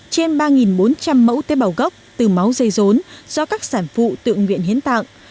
trên ba bốn trăm linh mẫu tế bào gốc từ máu dây rốn do các sản phụ tự nguyện hiến tặng